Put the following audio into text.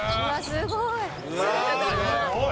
すごい！」